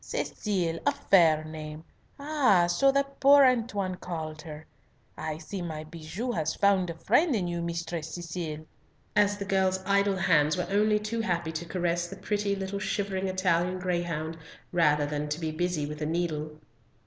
"Cecile, a fair name. Ah! so the poor Antoine called her. I see my Bijou has found a friend in you, Mistress Cecile"—as the girl's idle hands were only too happy to caress the pretty little shivering Italian greyhound rather than to be busy with a needle.